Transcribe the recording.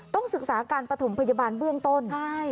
ต้องศึกษาการปฐมพยาบาลเบื้องต้น